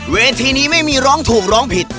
เวทีนี้ไม่มีร้องถูกร้องผิด